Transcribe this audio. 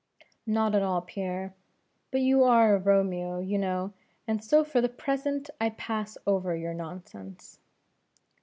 "Not at all, Pierre but you are a Romeo, you know, and so for the present I pass over your nonsense."